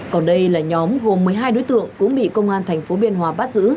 còn đây là nhóm gồm một mươi hai đối tượng cũng bị công an thành phố biên hòa bắt giữ